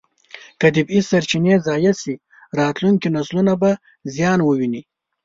که طبیعي سرچینې ضایع شي، راتلونکي نسلونه به زیان وویني.